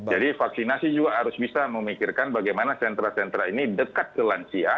jadi vaksinasi juga harus bisa memikirkan bagaimana sentra sentra ini dekat ke lansia